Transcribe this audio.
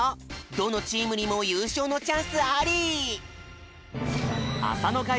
どのチームにもゆうしょうのチャンスあり！